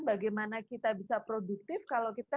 bagaimana kita bisa produktif kalau kita